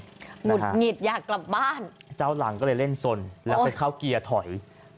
หุดหงิดอยากกลับบ้านเจ้าหลังก็เลยเล่นสนแล้วไปเข้าเกียร์ถอย